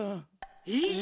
えっ？